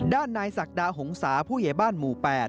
ด้านนายศักดาหงษาผู้ใหญ่บ้านหมู่๘